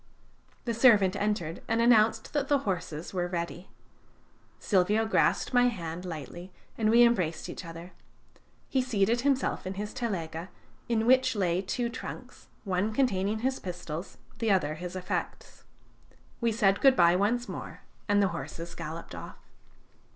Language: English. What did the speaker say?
The servant entered and announced that the horses were ready. Silvio grasped my hand tightly, and we embraced each other. He seated himself in his telega, in which lay two trunks, one containing his pistols, the other his effects. We said good bye once more, and the horses galloped off.